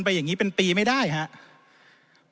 อย่างนี้เป็นปีไม่ได้ครับ